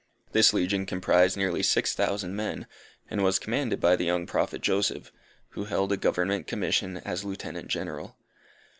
This legion comprised nearly six thousand men, and was commanded by the young Prophet Joseph, who held a government commission, as Lieutenant General.